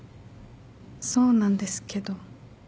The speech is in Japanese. そうなんですけど。